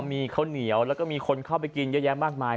มีข้าวเหนียวแล้วก็มีคนเข้าไปกินเยอะแยะมากมาย